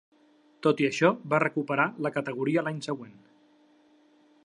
Tot i això va recuperar la categoria l'any següent.